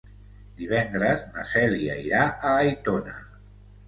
Divendres na Cèlia irà a Aitona.